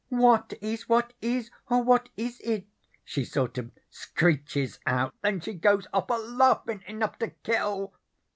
"'What is what is it, oh, what is it?' she sort of screeches out. Then she goes off a laughin' enough to kill.